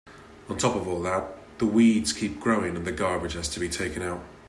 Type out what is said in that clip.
On top of all that, the weeds keep growing and the garbage has to be taken out.